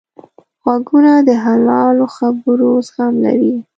غوږونه د حلالو خبرو زغم لري